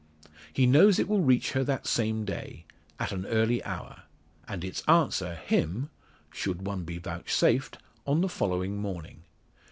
He knows it will reach her that same day, at an early hour, and its answer him should one be vouchsafed on the following morning.